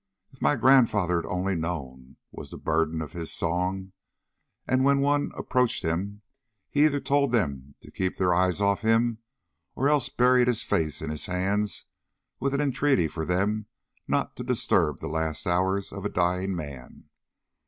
'If my grandfather had only known!' was the burden of his song; and when any one approached him he either told them to keep their eyes off him, or else buried his face in his hands with an entreaty for them not to disturb the last hours of a dying man.